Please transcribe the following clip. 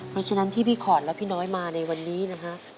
เพราะฉะนั้นที่พี่ขอดและพี่น้อยมาในวันนี้นะฮะ